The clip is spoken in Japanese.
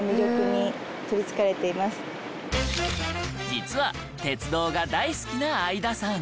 実は鉄道が大好きな相田さん。